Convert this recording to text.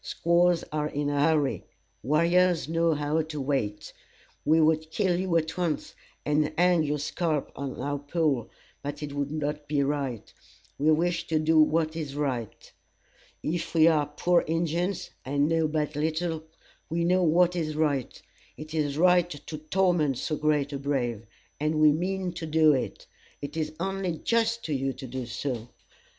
Squaws are in a hurry; warriors know how to wait. We would kill you at once, and hang your scalp on our pole, but it would not be right. We wish to do what is right. If we are poor Injins, and know but little, we know what is right. It is right to torment so great a brave, and we mean to do it. It is only just to you to do so.